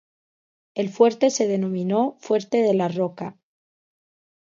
El fuerte se denominó “"Fuerte de la Roca"".